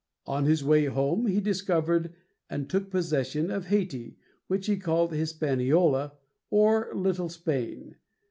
On his way home he discovered and took possession of Hāi´ti, which he called His pan io´la, or "Little Spain."